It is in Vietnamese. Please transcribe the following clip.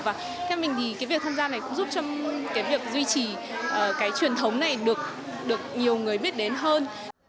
và theo mình thì cái việc tham gia này cũng giúp cho cái việc duy trì cái truyền thống này được nhiều người biết đến hơn